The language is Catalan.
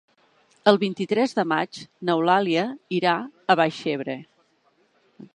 El vint-i-tres de maig n'Eulàlia irà a Benaixeve.